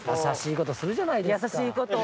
優しいことするじゃないですか。